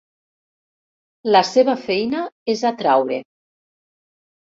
La seva feina és atraure.